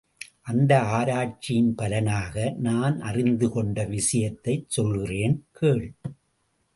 அந்த ஆராய்ச்சியின் பலனாக நான் அறிந்து கொண்ட விஷயத்தைச் சொல்கிறேன், கேள்.